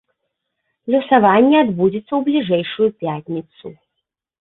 Лёсаванне адбудзецца ў бліжэйшую пятніцу.